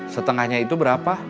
setengahnya itu berapa